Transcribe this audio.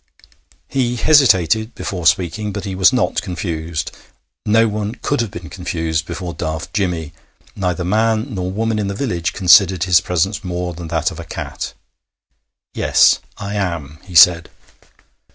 He hesitated before speaking, but he was not confused. No one could have been confused before Daft Jimmy. Neither man nor woman in the village considered his presence more than that of a cat. 'Yes, I am,' he said.